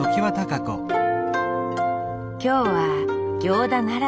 今日は行田ならでは。